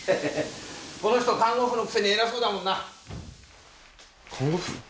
この人看護婦のくせにエラそうだもんな看護婦？